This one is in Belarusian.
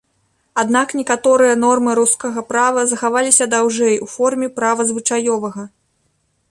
Аднак некаторыя нормы рускага права захаваліся даўжэй у форме права звычаёвага.